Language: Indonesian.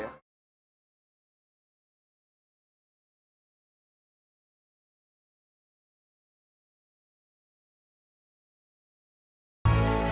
ingat eh ini londonminum